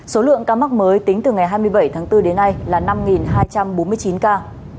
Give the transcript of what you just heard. số lượng ca mắc mới tính từ ngày hai mươi bảy tháng bốn đến nay là năm hai trăm bốn mươi chín ca